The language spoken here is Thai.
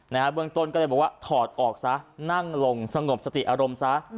เบื้องต้นก็เลยบอกว่าถอดออกซะนั่งลงสงบสติอารมณ์ซะ